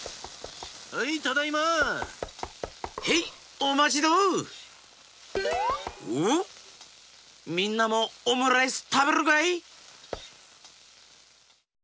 おみんなもオムライスたべるかい？